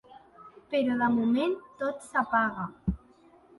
Però, de moment, tot s'apaga.